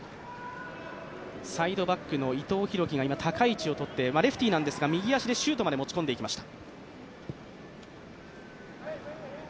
サイドバックの伊藤洋輝が今、高い位置をとってレフティーなんですが、右足でシュートまで持ち込んでいきました。